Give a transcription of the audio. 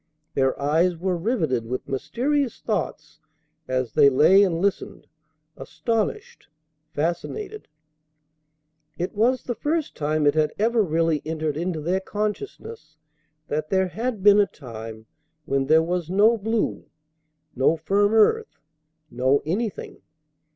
Their eyes were riveted with mysterious thoughts as they lay and listened, astonished, fascinated. It was the first time it had ever really entered into their consciousness that there had been a time when there was no blue, no firm earth, no anything.